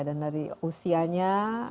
dan dari usianya